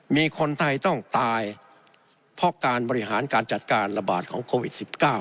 มีคนไทยต้องตายเพราะการบริหารการจัดการระบาดของโควิด๑๙